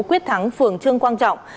quyết thắng phường trương quang trọng